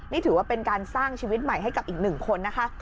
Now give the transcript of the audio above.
นี่ถือว่าเป็นการสร้างชีวิตใหม่ให้กับอีกหนึ่งคนนะคะ